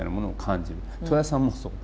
戸谷さんもそう。